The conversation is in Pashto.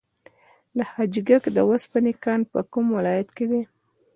د حاجي ګک د وسپنې کان په کوم ولایت کې دی؟